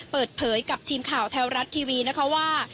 เปิดเผยกับทีมข่าวแท้รัฐทีวีนะคะว่า